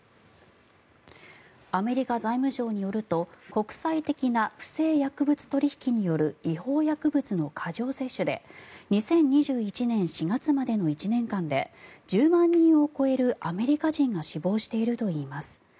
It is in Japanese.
アメリカ財務省によると国際的な不正薬物取引による違法薬物の過剰摂取で２０２１年４月までの１年間で１０万人を超えるアメリカ人が死亡しているといいます。